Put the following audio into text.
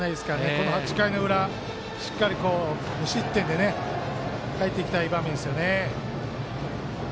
この８回の裏しっかり無失点で帰っていきたい場面ですね。